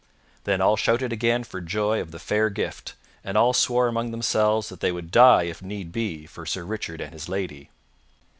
Then all shouted again for joy of the fair gift, and all swore among themselves that they would die if need be for Sir Richard and his lady.